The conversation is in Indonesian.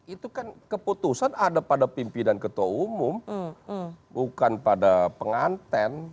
itu kan keputusan ada pada pimpinan ketua umum bukan pada penganten